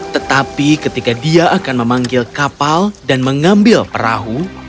tetapi ketika dia akan memanggil kapal dan mengambil perahu